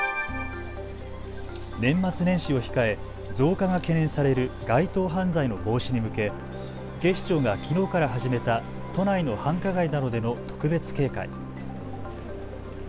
年末年始を控え増加が懸念される街頭犯罪の防止に向け警視庁がきのうから始めた都内の繁華街などでの特別警戒。